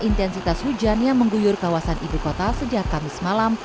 intensitas hujan yang mengguyur kawasan ibu kota sejak kamis malam